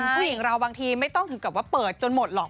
ผู้หญิงเราบางทีไม่ต้องถึงกับว่าเปิดจนหมดหรอก